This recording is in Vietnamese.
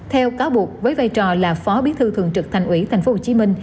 theo cáo buộc với vai trò là phó bí thư thường trực thành ủy tp hcm